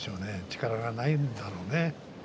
力がないんだろうね。